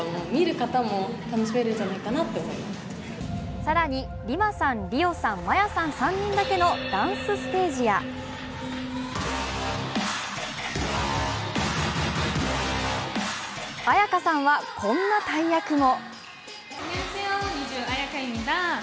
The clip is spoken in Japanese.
更にＲＩＭＡさん、ＲＩＯさん、ＭＡＹＡさん３人だけのダンスステージやＡＹＡＫＡさんはこんな大役も。